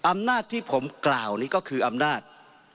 อำนาจที่ผมกล่าวนี้ก็คืออำนาจ